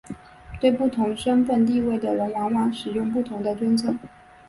对不同身份地位的人往往使用不同的尊称。